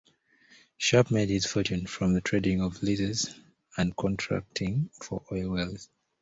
Sharp made his fortune from the trading of leases and contracting for oil wells.